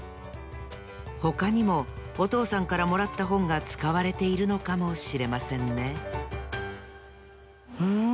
ほかにもおとうさんからもらったほんがつかわれているのかもしれませんねうん。